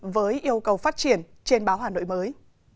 với yêu cầu phát triển trên báo hà nội mới